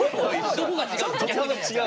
どこが違う？